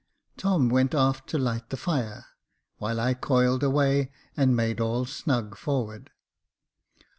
Tom went aft to light the fire, while I coiled away and made all snug forward.